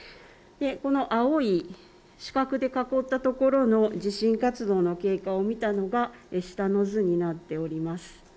青い四角で囲ったところの地震活動の経過を見たのが下の図になっております。